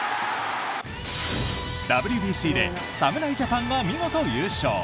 ＷＢＣで侍ジャパンが見事優勝！